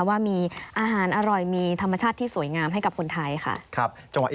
ว่ามีอาหารอร่อยมีธรรมชาติที่สวยงามให้กับคนไทยค่ะ